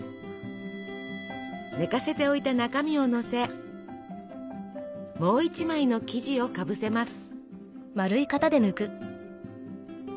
寝かせておいた中身をのせもう１枚の生地をかぶせます。